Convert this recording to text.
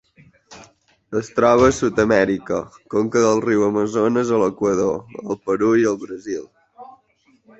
Es troba a Sud-amèrica: conca del riu Amazones a l'Equador, el Perú i el Brasil.